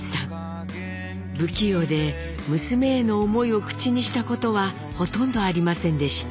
不器用で娘への思いを口にしたことはほとんどありませんでした。